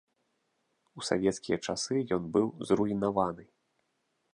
У савецкія часы ён быў зруйнаваны.